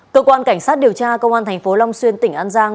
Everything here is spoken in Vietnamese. cơ quan cảnh sát điều tra công an thành phố long xuyên tỉnh an giang